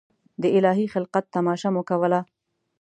د الهي خلقت تماشه مو کوله.